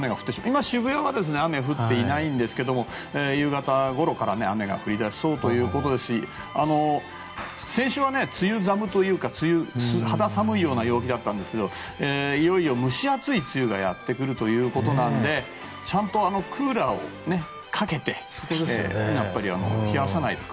今、渋谷は雨が降ってないんですけども夕方ごろから雨が降り出しそうということですし先週は梅雨寒というか肌寒いような陽気だったんですがいよいよ蒸し暑い梅雨がやってくるということなのでちゃんとクーラーをかけて冷やさないと。